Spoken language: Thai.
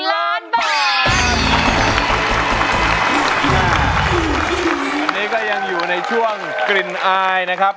วันนี้ก็ยังอยู่ในช่วงกลิ่นอายนะครับ